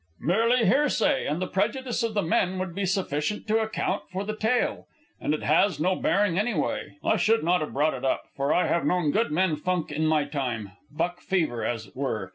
"Merely hearsay, and the prejudice of the men would be sufficient to account for the tale. And it has no bearing, anyway. I should not have brought it up, for I have known good men funk in my time buck fever, as it were.